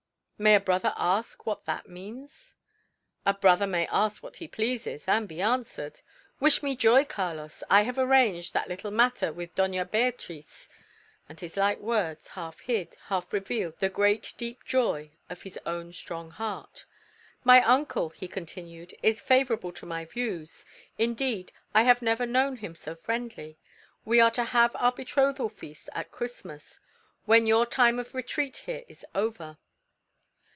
May a brother ask what that means?" "A brother may ask what he pleases, and be answered. Wish me joy, Carlos; I have arranged that little matter with Doña Beatriz." And his light words half hid, half revealed the great deep joy of his own strong heart. "My uncle," he continued, "is favourable to my views; indeed, I have never known him so friendly. We are to have our betrothal feast at Christmas, when your time of retreat here is over."